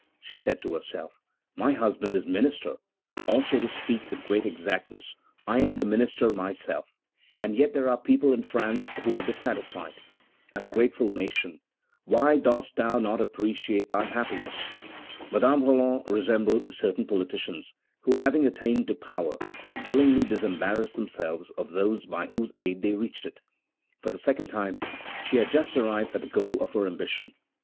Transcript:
she said to herself, my husband is minister, or, to speak with great exactness, I am the minister myself, and yet there are people in France who are dissatisfied! Ungrateful nation, why dost thou not appreciate thy happiness? Madame Roland resembled certain politicians, who, having attained to power, would willingly disembarrass themselves of those by whose aid they reached it. For the second time she had just arrived at the goal of her ambition.